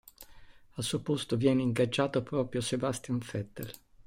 Al suo posto viene ingaggiato proprio Sebastian Vettel.